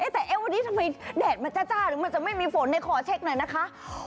แต่วันนี้ทำไมแดดมันจ้าหรือมันจะไม่มีฝนขอเช็คหน่อยนะคะ